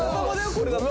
これだって。